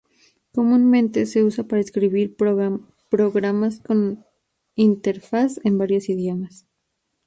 Comúnmente se usa para escribir programas con interfaz en varios idiomas.